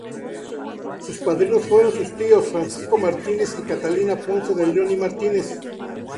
Sus padrinos fueron sus tíos, Francisco Martínez y Catalina Ponce de León y Martínez.